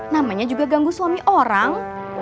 namanya juga ganggu suami orang